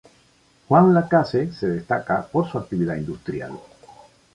Juan Lacaze se destaca por su actividad industrial.